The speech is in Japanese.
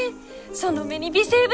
その目に微生物。